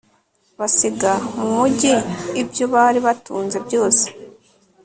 basiga mu mugi ibyo bari batunze byose